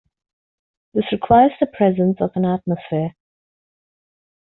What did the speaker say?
This requires the presence of an atmosphere.